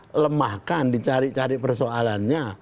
menjelaskan dicari cari persoalannya